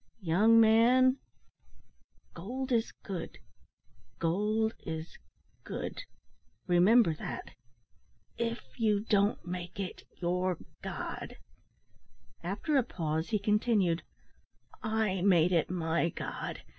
"Young man, gold is good gold is good remember that, if you don't make it your god." After a pause, he continued, "I made it my god.